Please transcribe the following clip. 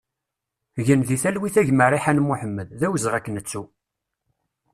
Gen di talwit a gma Riḥan Mohamed, d awezɣi ad k-nettu!